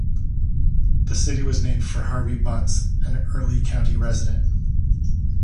The city was named for Harvey Bunce, an early county resident.